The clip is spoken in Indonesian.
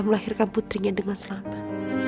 melahirkan putrinya dengan selamat